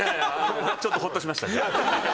ちょっとほっとしました。